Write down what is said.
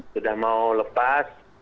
sudah mau lepas